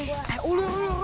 eh uluh uluh uluh